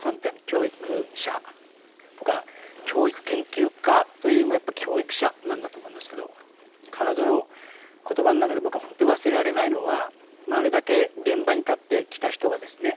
教育者僕は教育研究家というよりもやっぱり教育者なんだと思うんですけど彼女の言葉の中で僕は本当に忘れられないのはあれだけ現場に立ってきた人がですね